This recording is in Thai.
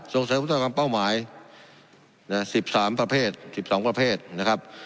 ส่งเสริมอุตสาหกรรมเป้าหมาย๑๓ประเภท๑๒ประเภทนะครับ